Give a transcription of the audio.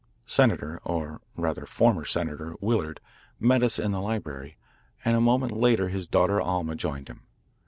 Senator, or rather former Senator, Willard met us in the library, and a moment later his daughter Alma joined him.